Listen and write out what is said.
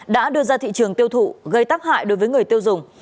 đã đưa ra thị trường tiêu thụ gây tác hại đối với người tiêu dùng